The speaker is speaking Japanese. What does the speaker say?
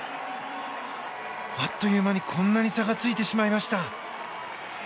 あっという間に、こんなに差がついてしまいました。